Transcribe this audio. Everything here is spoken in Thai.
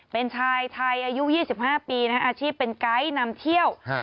เป็นชายไทยอายุยี่สิบห้าปีนะครับอาชีพเป็นไก้นำเที่ยวฮะ